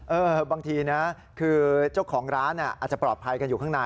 บางทีนะคือเจ้าของร้านอาจจะปลอดภัยกันอยู่ข้างใน